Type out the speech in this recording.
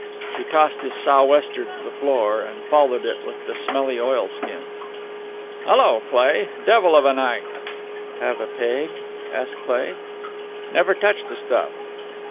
He tossed his sou'wester to the floor and followed it with the smelly oilskin. "Hello, Cleigh! Devil of a night!" "Have a peg?" asked Cleigh. "Never touch the stuff."